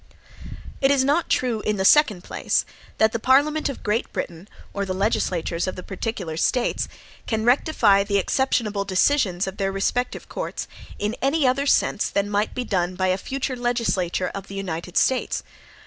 It is not true, in the second place, that the Parliament of Great Britain, or the legislatures of the particular States, can rectify the exceptionable decisions of their respective courts, in any other sense than might be done by a future legislature of the United States.